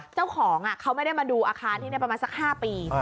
เจ้าของเขาไม่ได้มาดูอาคารที่นี่ประมาณสัก๕ปี